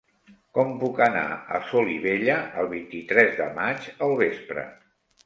Com puc anar a Solivella el vint-i-tres de maig al vespre?